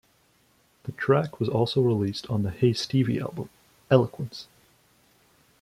The track also was released on the Hey Stevie album, "Eloquence".